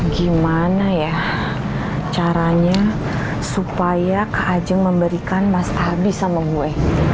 gimana ya caranya supaya kak ajeng memberikan mas habib sama gue